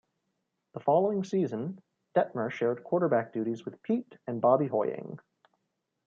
The following season, Detmer shared quarterback duties with Peete and Bobby Hoying.